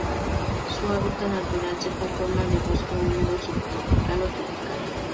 Su hábitat natural se conforma de bosque húmedo subtropical o tropical.